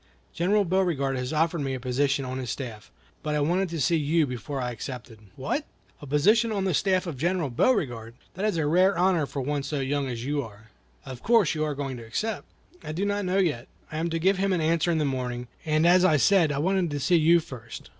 General Beauregard has offered me a position on his staff, but I wanted to see you before I accepted." "What! a position on the staff of General Beauregard! That is a rare honor for one so young as you are. Of course you are going to accept?" "I do not know yet; I am to give him an answer in the morning, as I said I wanted to see you first.